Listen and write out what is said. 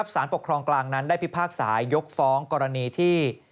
สารปกครองกลางนั้นได้พิพากษายกฟ้องกรณีที่